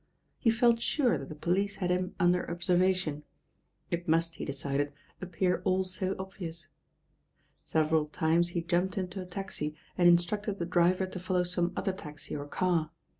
He felt sure that the police had him under observation. It must, he decided, appear all so obvious. Several times he jumped into a taxi and instructed the driver to follow some other taxi or car.